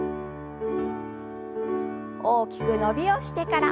大きく伸びをしてから。